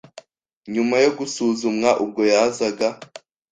nyuma yo gusuzumwa ubwo yazaga